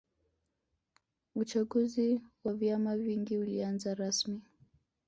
uchaguzi wa vyama vingi ulianza rasimi